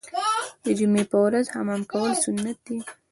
د جمعې په ورځ حمام کول سنت دي.